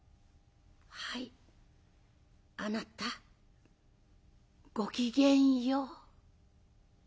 「はいあなた。ごきげんよう」。